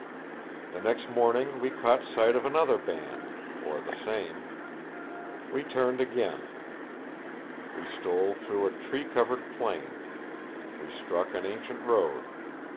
"The next morning we caught sight of another band or the same. We turned again. We stole through a tree covered plain; we struck an ancient road.